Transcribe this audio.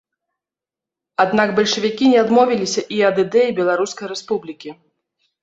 Аднак бальшавікі не адмовіліся і ад ідэі беларускай рэспублікі.